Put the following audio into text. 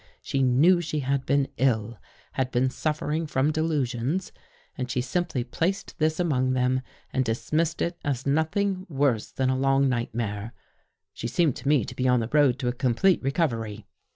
She knew she had been ill, had been suffering from delusions, and she simply placed this among them and dismissed it as nothing worse than a long night mare. She seemed to me to be on the road to a complete recovery.